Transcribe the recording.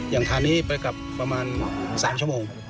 ทานนี้ไปกับประมาณ๓ชั่วโมง